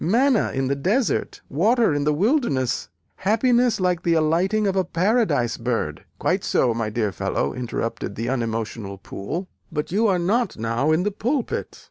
Manna in the desert water in the wilderness happiness like the alighting of a paradise bird " "Quite so, my dear fellow," interrupted the unemotional Poole, "but you are not now in the pulpit.